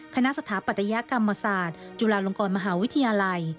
สถาปัตยกรรมศาสตร์จุฬาลงกรมหาวิทยาลัย